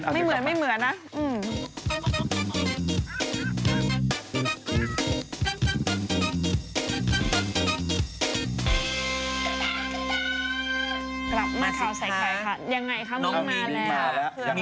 กลับมาข่าวใส่ไข่ค่ะยังไงคะน้องมิ้งมาแล้ว